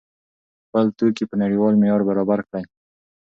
خپل توکي په نړیوال معیار برابر کړئ.